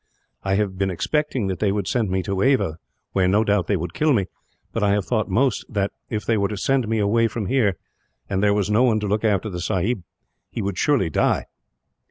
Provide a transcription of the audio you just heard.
I have been expecting that they would send me to Ava where, no doubt, they would kill me; but I have thought most that, if they were to send me away from here, and there was no one to look after the sahib, he would surely die."